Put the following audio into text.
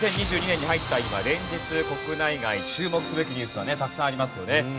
２０２２年に入った今連日国内外注目すべきニュースはねたくさんありますよね。